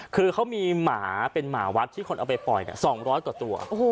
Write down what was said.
คือเขามีหมาเป็นหมาวัดที่คนเอาไปปล่อย๒๐๐กว่าตัว